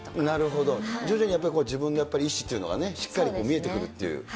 なるほど、徐々にやっぱり自分の意思っていうのが、しっかり見えてくるっていう。